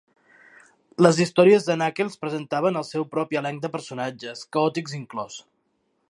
Les històries de Knuckles presentaven el seu propi elenc de personatges, Chaotix inclòs.